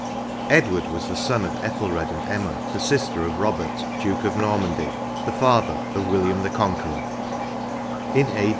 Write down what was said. Edward was the son of Ethelred and Emma, the sister of Eobert, Duke of Normandy, the father of William the Conqueror: in a.